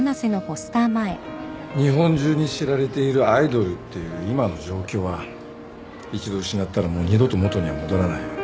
日本中に知られているアイドルっていう今の状況は一度失ったらもう二度と元には戻らないよ。